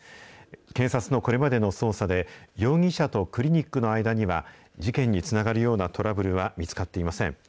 警察のこれまでの捜査で、容疑者とクリニックの間には、事件につながるようなトラブルは見つかっていません。